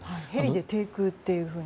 ヘリで低空っていう。